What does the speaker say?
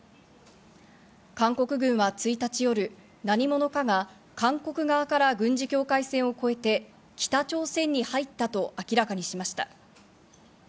韓国軍は１日夜、何者かが韓国側から軍事境界線を越えて北朝鮮に入ったと明らかにしました。